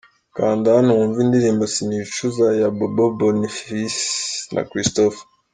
kanda hano wumve indirimbo "sinicuza" ya Bobo Bonfils na Christopher.